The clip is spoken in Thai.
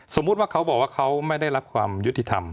สมมุติว่าเขาบอกว่าเขาไม่ได้รับความยุติธรรม